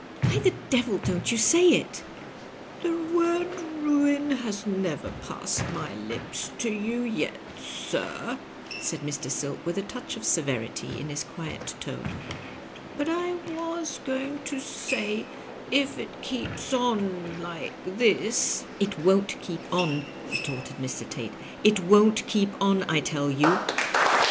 Why the devil don't you say it?" " The word * ruin ' has never passed my lips to you yet, sir," said Mr. Silk, with a touch of severity in his quiet tone ; "but I was going to say, if it keeps on like this—" "It won't keep on," retorted Mr. Tate; "it won't keep on, I tell you.